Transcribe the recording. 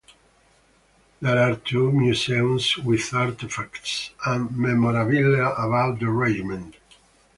There are two museums with artefacts and memorabilia about the regiment.